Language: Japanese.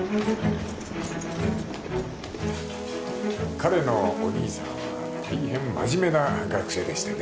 彼のお兄さんは大変真面目な学生でしてね・